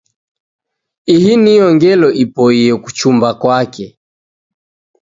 Ihi niyo ngelo ipoie kuchumba kwake.